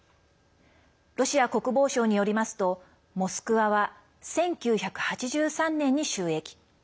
ロシア国防省によりますと「モスクワ」は１９８３年に就役。